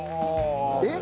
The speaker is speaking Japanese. えっ？